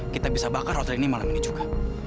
kita bisa bakar hotel ini malam ini juga